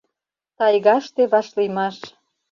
ТАЙГАШТЕ ВАШЛИЙМАШ